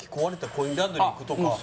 コインランドリーへ行く」とか。